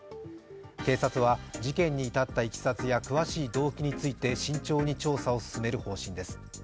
警察は、事件に至ったいきさつや詳しい動機について慎重に調査を進める方針です。